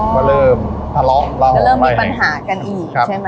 อ๋อแล้วเริ่มทะเลาะเราเริ่มมีปัญหากันอีกใช่ไหม